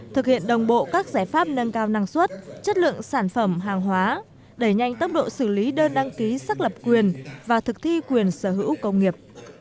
thực hiện đồng bộ các giải pháp nâng cao năng suất chất lượng sản phẩm hàng hóa đẩy nhanh tốc độ xử lý đơn đăng ký xác lập quyền và thực thi quyền sở hữu công nghiệp